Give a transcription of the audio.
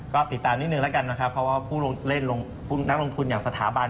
ก็ติดตามนิดนึงแล้วกันนะครับเพราะว่าผู้นักลงทุนอย่างสถาบัน